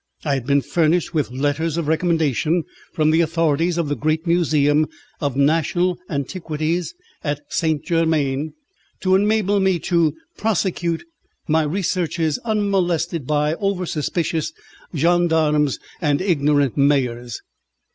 I had been furnished with letters of recommendation from the authorities of the great Museum of National Antiquities at St. Germain, to enable me to prosecute my researches unmolested by over suspicious gendarmes and ignorant mayors.